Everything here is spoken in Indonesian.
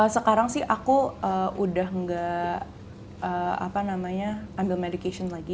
sekarang sih aku udah nggak ambil medication lagi